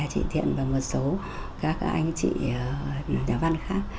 chị thiện và một số các anh chị nhà văn khác